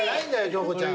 京子ちゃん。